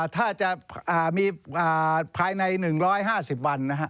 ถ้าจะมีภายใน๑๕๐วัน